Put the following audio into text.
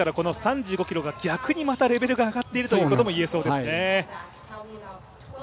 ですから３５ｋｍが逆にレベルが上がっているということも言えそうですね。